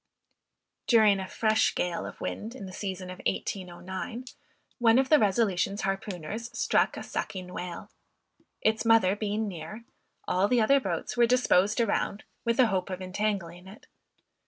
During a fresh gale of wind in the season of 1809, one of the Resolution's harpooners struck a sucking whale. Its mother being near, all the other boats were disposed around, with the hope of entangling it.